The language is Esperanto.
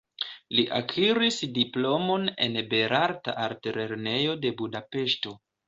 Li akiris diplomon en Belarta Altlernejo de Budapeŝto.